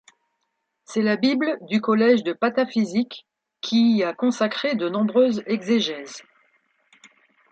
C'est la Bible du Collège de Pataphysique, qui y a consacré de nombreuses exégèses.